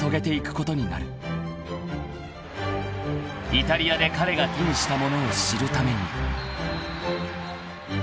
［イタリアで彼が手にしたものを知るために］